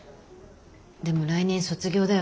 でも来年卒業だよね。